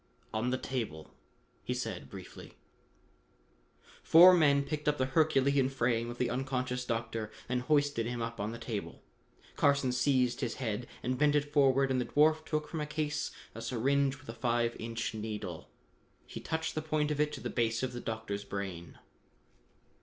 "On the table," he said briefly. Four men picked up the herculean frame of the unconscious doctor and hoisted him up on the table. Carson seized his head and bent it forward and the dwarf took from a case a syringe with a five inch needle. He touched the point of it to the base of the doctor's brain.